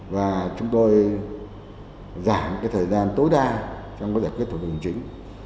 và chúng tôi giảm thời gian tối đa trong giải quyết hình chính